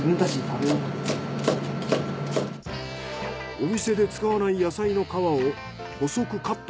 お店で使わない野菜の皮を細くカット。